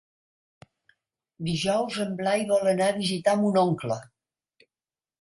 Dijous en Blai vol anar a visitar mon oncle.